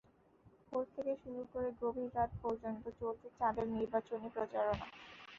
ভোর থেকে শুরু করে গভীর রাত পর্যন্ত চলছে তাঁদের নির্বাচনী প্রচারণা।